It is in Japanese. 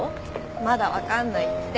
まだ分かんないって。